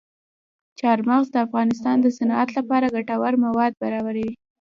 چار مغز د افغانستان د صنعت لپاره ګټور مواد برابروي.